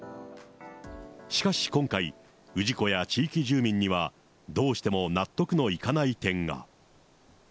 しかし今回、氏子や地域住民には、どうしても納得のいかない点が。